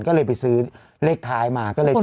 ก็เลยไปซื้อเลขท้ายมาก็เลย